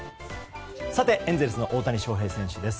さて、エンゼルスの大谷翔平選手です。